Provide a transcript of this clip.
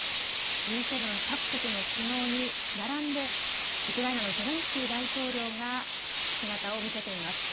Ｇ７各国の首脳に並んで、ウクライナのゼレンスキー大統領が姿を見せています。